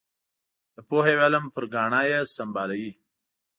د پوهې او علم پر ګاڼه یې سمبالوي.